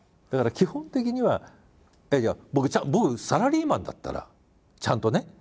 だから基本的にはいや僕サラリーマンだったらちゃんとね。